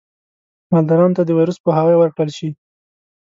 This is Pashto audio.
مالدارانو ته د ویروس پوهاوی ورکړل شي.